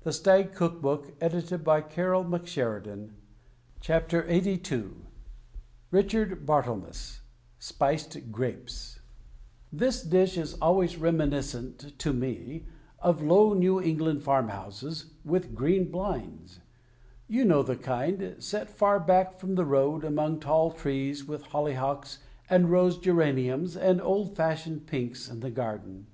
The result is an epicurean masterpiece. [i6o] WRITTEN FOR MEN BY MEN LXXXII Richard Barthelmess SPICED GRAPES This dish is always reminiscent, to me, of low New England farmhouses, with green blinds. You know the kind — set far back from the road, among tall trees, with hollyhocks, and rose geraniums and old fashioned pinks in the garden.